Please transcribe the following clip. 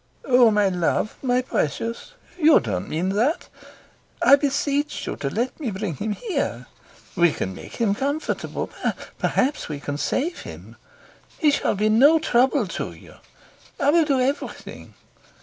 "Oh, my love, my precious, you don't mean that. I beseech you to let me bring him here. We can make him comfortable. Perhaps we can save him. He shall be no trouble to you. I will do everything.